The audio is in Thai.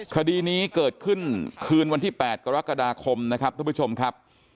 คดีนี้เกิดขึ้นคืนวันที่๘กรกฎาคมนะครับทุกผู้ชมครับ